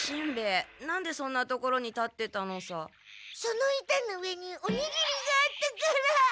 その板の上におにぎりがあったから。